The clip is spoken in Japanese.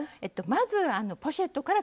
まずポシェットから。